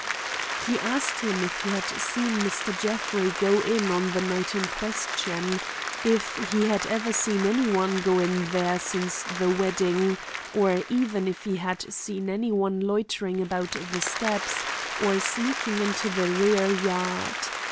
He asked him if he had seen Mr. Jeffrey go in on the night in question; if he had ever seen any one go in there since the wedding; or even if he had seen any one loitering about the steps, or sneaking into the rear yard.